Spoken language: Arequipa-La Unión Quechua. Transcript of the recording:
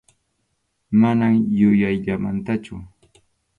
Mana yuyayllamantachu.